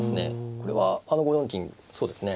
これは５四金そうですね。